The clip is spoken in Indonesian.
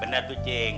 bener tuh cing